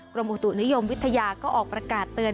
กรมอุตุนิยมวิทยาก็ออกประกาศเตือน